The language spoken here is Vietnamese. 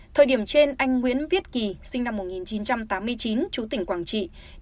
thời điểm trên anh nguyễn viết kỳ sinh năm một nghìn chín trăm tám mươi chín chú tỉnh quảng trị